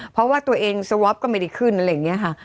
เพราะว่าตัวเองสวอปก็ไม่ได้ขึ้นอะไรอย่างนี้ค่ะ